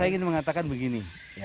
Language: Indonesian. saya ingin mengatakan begini